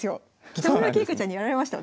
北村桂香ちゃんにやられました